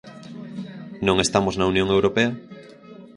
Non estamos na Unión Europea?